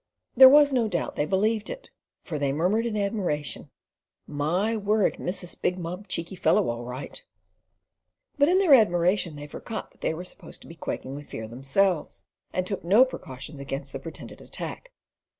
There was no doubt they believed it, for they murmured in admiration "My word! Missus big mob cheeky fellow all right." But in their admiration they forgot that they were supposed to be quaking with fear themselves, and took no precautions against the pretended attack.